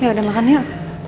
ya udah makan yuk